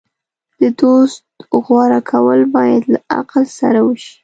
د دوست غوره کول باید له عقل سره وشي.